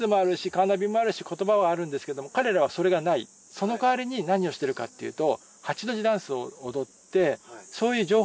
その代わりに何をしてるかっていうと。